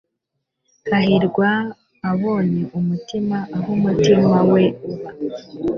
hahirwa abonye umutima aho umutima we uba! ..